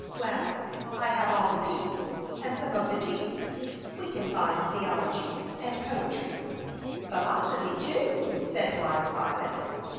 Well, I have all the * P's ' and some of the ' T s '; we can find theology and poetry. " Philosophy, too,'' said wise Violet.